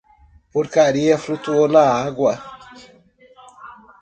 Porcaria flutuou na água.